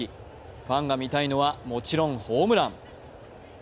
ファンが見たいのはもちろんホームラン。